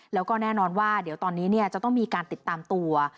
แล้วก็แน่นอนว่าเดี๋ยวตอนนี้จะต้องมีการติดตามตัว